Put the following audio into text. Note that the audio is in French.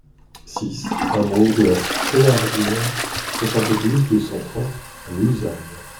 six hameau de la Fréardière, soixante-douze, deux cent trente à Mulsanne